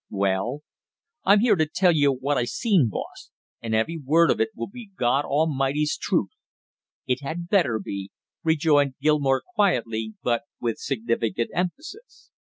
"Well?" "I'm here to tell you what I seen, boss; and every word of it will be God A'mighty's truth!" "It had better be!" rejoined Gilmore quietly, but with significant emphasis.